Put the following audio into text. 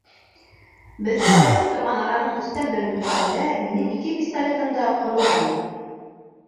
Беҙҙе айырып торған араның өстән берен үткәндә минең ике пистолетым да ҡоролғайны.